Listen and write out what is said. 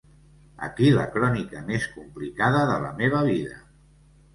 Aquí la crònica més complicada de la meva vida.